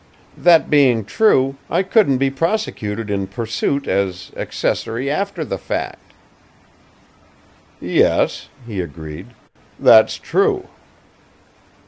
That being true, I couldn't be prosecuted in Pursuit as 'accessory after the fact.'" "Yes," he agreed. "That's true."